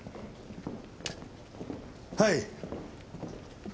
はい。